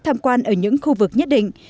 tham quan ở những khu vực nhất định